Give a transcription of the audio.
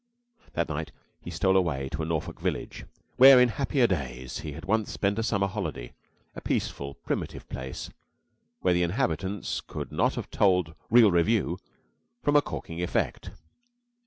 That night he stole away to a Norfolk village, where, in happier days, he had once spent a Summer holiday a peaceful, primitive place where the inhabitants could not have told real revue from a corking effect.